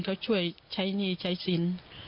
เขาช่วยใช้หนี้ใช้สิน